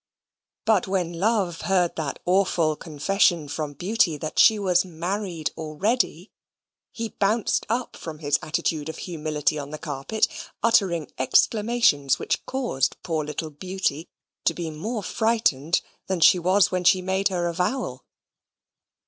But when Love heard that awful confession from Beauty that she was married already, he bounced up from his attitude of humility on the carpet, uttering exclamations which caused poor little Beauty to be more frightened than she was when she made her avowal.